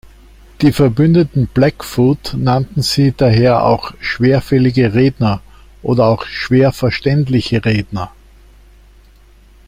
Die verbündeten Blackfoot nannten sie daher auch "schwerfällige Redner" oder auch "schwer verständliche Redner".